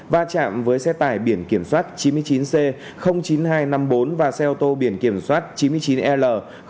và chạm với xe tải biển kiểm soát chín mươi chín c chín nghìn hai trăm năm mươi bốn và xe ô tô biển kiểm soát chín mươi chín l năm trăm hai mươi ba